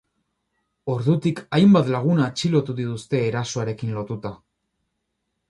Ordutik, hainbat lagun atxilotu dituzte erasoarekin lotuta.